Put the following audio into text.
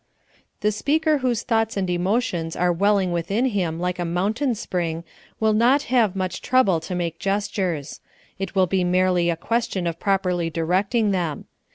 The speaker whose thoughts and emotions are welling within him like a mountain spring will not have much trouble to make gestures; it will be merely a question of properly directing them.